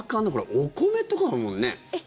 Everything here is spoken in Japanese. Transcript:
お米とかもあるもんね。